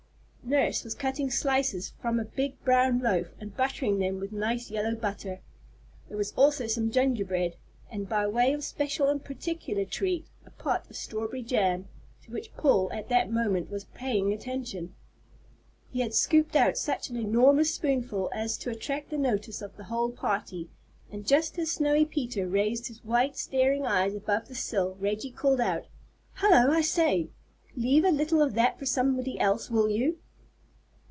Nurse was cutting slices from a big brown loaf and buttering them with nice yellow butter. There was also some gingerbread, and by way of special and particular treat, a pot of strawberry jam, to which Paul at that moment was paying attention. He had scooped out such an enormous spoonful as to attract the notice of the whole party; and just as Snowy Peter raised his white staring eyes above the sill, Reggie called out, "Hullo! I say! leave a little of that for somebody else, will you?"